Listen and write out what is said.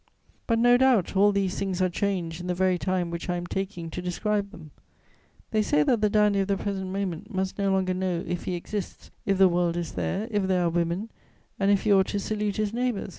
But, no doubt, all these things are changed in the very time which I am taking to describe them. They say that the dandy of the present moment must no longer know if he exists, if the world is there, if there are women, and if he ought to salute his neighbour.